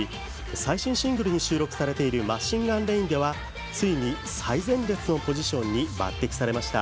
最新シングルに収録されている「マシンガンレイン」ではついに最前列のポジションに抜擢されました。